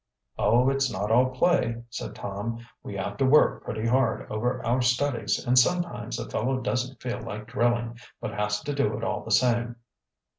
"Oh, it's not all play," said Tom. "We have to work pretty hard over our studies and sometimes a fellow doesn't feel like drilling, but has to do it all the same."